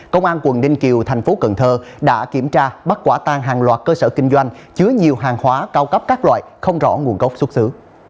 công an quận ninh kiều thành phố cần thơ đã kiểm tra bắt quả tang hàng loạt cơ sở kinh doanh chứa nhiều hàng hóa cao cấp các loại không rõ nguồn gốc xuất xứ